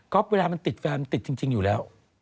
เวลามันติดแฟนมันติดจริงอยู่แล้ว